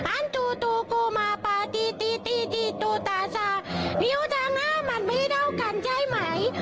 อันตูกูมาปาตีตีตีตูตาซานิ้วตาหน้ามันไม่ได้เท่ากันใช่ไหม